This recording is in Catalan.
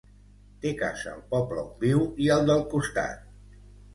Té casa al poble on viu i al del costat.